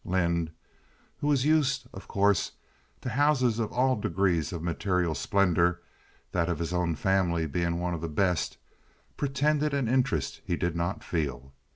Lynde, who was used, of course, to houses of all degrees of material splendor—that of his own family being one of the best—pretended an interest he did not feel.